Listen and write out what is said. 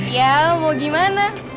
ya mau gimana